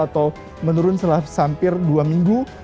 atau menurun setelah hampir dua minggu